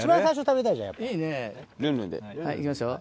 はいいきますよ。